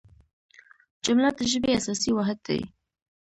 جمله د ژبي اساسي واحد دئ.